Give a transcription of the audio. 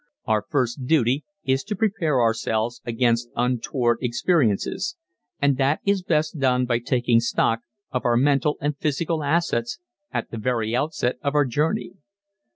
Our first duty is to prepare ourselves against untoward experiences, and that is best done by taking stock of our mental and physical assets at the very outset of our journey.